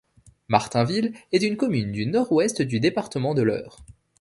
Martainville est une commune du Nord-Ouest du département de l'Eure.